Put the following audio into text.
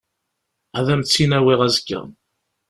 Ad am-tt-in-awiɣ azekka.